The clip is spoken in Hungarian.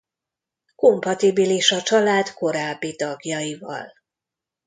Kompatibilis a család korábbi tagjaival.